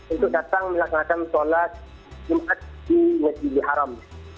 untuk datang melaksanakan sholat jemaat di masjidul haram